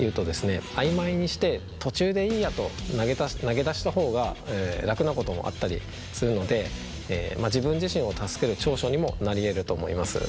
あいまいにして途中でいいやと投げ出した方が楽なこともあったりするので自分自身を助ける長所にもなりえると思います。